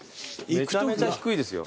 めちゃめちゃ低いですよ。